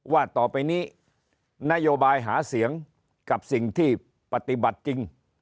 ว่าต่อไปนี้นโยบายหาเสียงกับสิ่งที่ปฏิบัติจริง